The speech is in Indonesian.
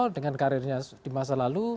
dengan karirnya di masa lalu